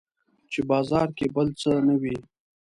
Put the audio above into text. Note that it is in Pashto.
چې بازار کې بل څه نه وي